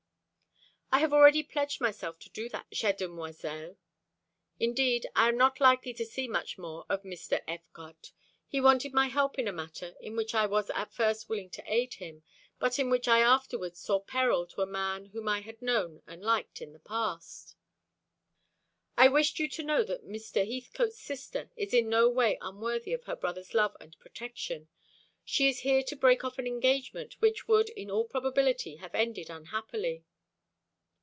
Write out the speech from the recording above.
"I have already pledged myself to do that, chère demoiselle. Indeed, I am not likely to see much more of Mr. Effecotte. He wanted my help in a matter in which I was at first willing to aid him, but in which I afterwards saw peril to a man whom I had known and liked in the past." "I wished you to know that Mr. Heathcote's sister is in no way unworthy of her brother's love and protection. She is here to break off an engagement which would in all probability have ended unhappily."